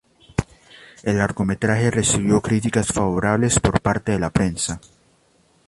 El largometraje recibió críticas favorables por parte de la prensa.